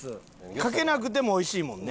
かけなくても美味しいもんね。